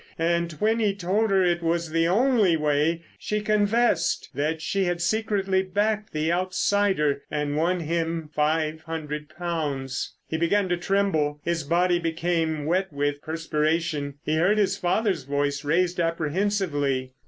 And when he told her it was the only way, she confessed that she had secretly backed the outsider and won him five hundred pounds. He began to tremble. His body became wet with perspiration. He heard his father's voice raised apprehensively.